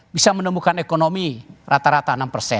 bisa menemukan ekonomi rata rata enam persen